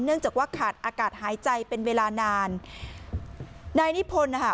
เนื่องจากว่าขาดอากาศหายใจเป็นเวลานานนายนิพนธ์นะคะ